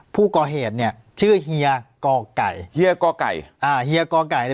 ผู้ก่อเหตุเนี่ยชื่อเฮียกอไก่เฮียกอไก่อ่าเฮียกอไก่